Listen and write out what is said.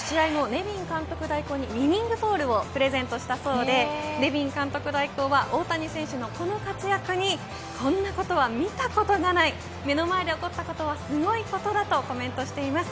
ネビン監督代行にウイニングボールをプレゼントしたそうでネビン監督代行は大谷選手のこの活躍にこんなことは見たことがない目の前で起こったことはすごいことだとコメントしています。